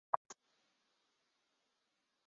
阿尔赞。